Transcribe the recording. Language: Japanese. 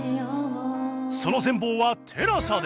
その全貌は ＴＥＬＡＳＡ で